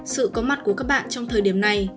sự có mặt của các bạn trong thời điểm này